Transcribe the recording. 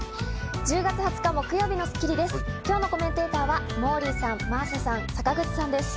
１０月２０日、木曜日の『スッキリ』です。